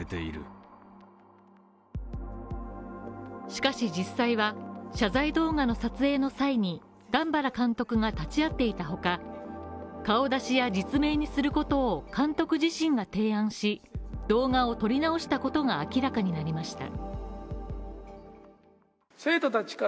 しかし実際は謝罪動画の撮影の際に、段原監督が立ち会っていた他、顔出しや実名にすることを監督自身が提案し、動画を撮り直したことが明らかになりました。